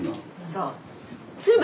そう。